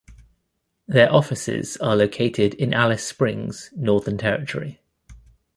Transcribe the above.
Their offices are located in Alice Springs, Northern Territory.